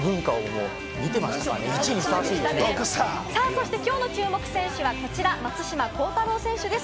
そして今日の注目選手はこちら、松島幸太朗選手です。